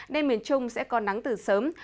đêm miền trung sẽ có nắng từ sớm